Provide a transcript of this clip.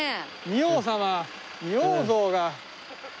仁王様仁王像が。